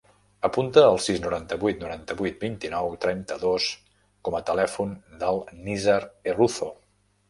Apunta el sis, noranta-vuit, noranta-vuit, vint-i-nou, trenta-dos com a telèfon del Nizar Herruzo.